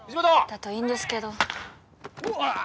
だといいんですけどうわ！